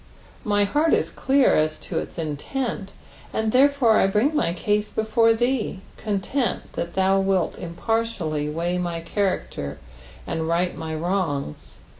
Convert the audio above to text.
My beart is clear as to its intent,4ind tlierefore I bring my case before thee, content that thou wilt impBrtiallj weigh my character, and right my wrongs.